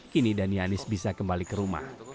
kini danianis bisa kembali ke rumah